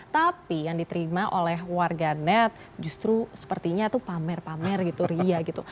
tapi yang diterima oleh warga net justru sepertinya itu pamer pamer gitu ria gitu